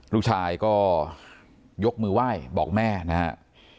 ลูกชายก็ยกมือไหว้บอกแม่นะครับ